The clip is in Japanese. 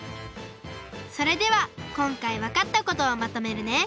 それではこんかいわかったことをまとめるね！